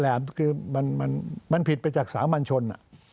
แหมคือมันผิดไปจากสามัญชน